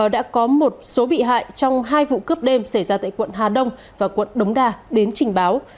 đã có một số bị hại trong hai vụ cướp đêm xảy ra tại quận hà đông và quận đống đa đến trình báo